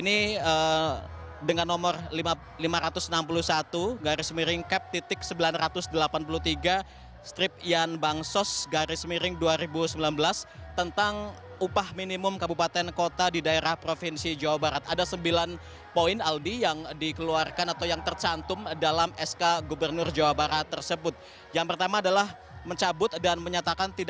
pertama sekali saya ingin mengucapkan terima kasih kepada para penonton dan penonton yang telah menonton video ini